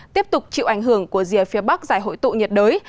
tiếp tục chịu ảnh hưởng của rìa phía bắc giải hội tụ nhiệt đới